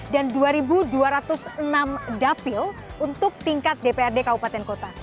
dan dua dua ratus enam dapil untuk tingkat dprd kabupaten kota